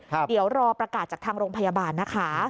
เดี๋ยวรอประกาศจากทางโรงพยาบาลนะคะ